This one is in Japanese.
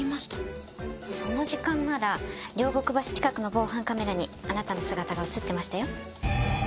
その時間なら両国橋近くの防犯カメラにあなたの姿が映ってましたよ。